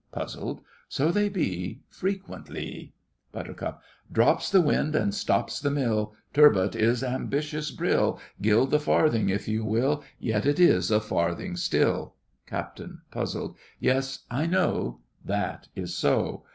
(puzzled). So they be, Frequentlee. BUT. Drops the wind and stops the mill; Turbot is ambitious brill; Gild the farthing if you will, Yet it is a farthing still. CAPT. (puzzled). Yes, I know. That is so.